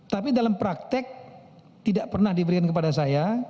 tapi dalam praktek tidak pernah diberikan kepada saya